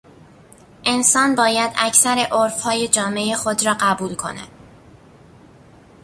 انسان باید اکثر عرفهای جامعهی خود را قبول کند.